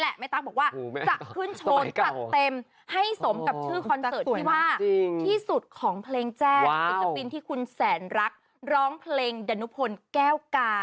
แล้วพี่เป็น๓๔รอบแล้วรู้ว่าพี่เป็นโควิด๓๔รอบแล้ว